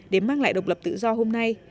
để mang lại độc lập tự do hôm nay